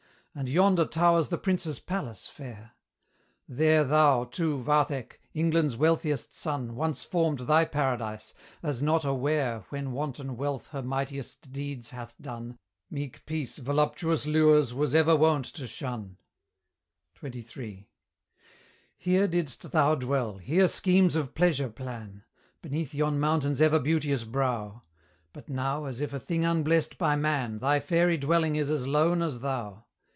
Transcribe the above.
And yonder towers the prince's palace fair: There thou, too, Vathek! England's wealthiest son, Once formed thy Paradise, as not aware When wanton Wealth her mightiest deeds hath done, Meek Peace voluptuous lures was ever wont to shun. XXIII. Here didst thou dwell, here schemes of pleasure plan. Beneath yon mountain's ever beauteous brow; But now, as if a thing unblest by man, Thy fairy dwelling is as lone as thou!